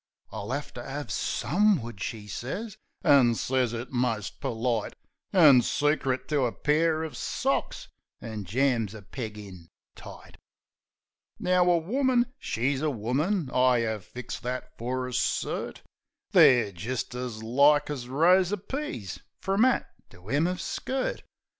("I'll 'ave to 'ave some wood," she sez, an' sez it most perlite An' secret to a pair uv socks; an' jams a peg in, tight.) Now, a woman, she's a woman. I 'ave fixed that fer a cert. They're jist as like as rows uv peas from 'at to 'em uv skirt.